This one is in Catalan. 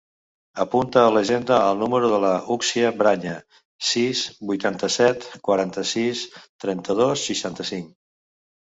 Apunta a l'agenda el número de l'Uxia Braña: sis, vuitanta-set, quaranta-sis, trenta-dos, seixanta-cinc.